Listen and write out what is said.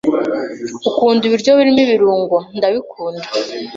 "Ukunda ibiryo birimo ibirungo Ndabikunda."